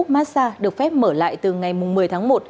massag được phép mở lại từ ngày một mươi tháng một